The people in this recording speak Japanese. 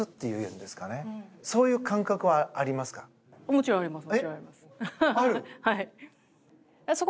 もちろん、あります。